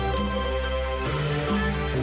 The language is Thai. โอ้โหโอ้โหโอ้โห